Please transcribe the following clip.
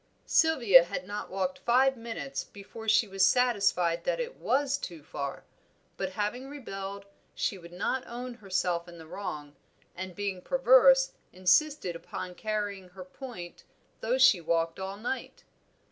Sylvia had not walked five minutes before she was satisfied that it was too far; but having rebelled, she would not own herself in the wrong, and being perverse, insisted upon carrying her point, though she walked all night.